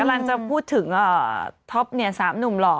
มันกำลังจะพูดถึงทอปเนี่ย๓หนุ่มหล่อ